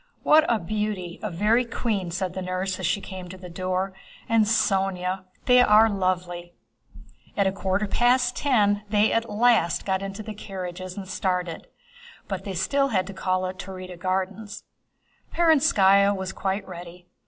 "What a beauty—a very queen!" said the nurse as she came to the door. "And Sónya! They are lovely!" At a quarter past ten they at last got into their carriages and started. But they had still to call at the Taurida Gardens. Perónskaya was quite ready.